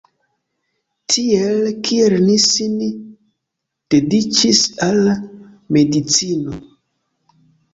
Tiel kiel li sin dediĉis al medicino.